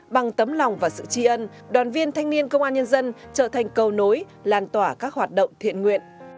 bằng tấm lòng và sự tri ân đoàn viên thanh niên công an nhân dân trở thành cầu nối lan tỏa các hoạt động thiện nguyện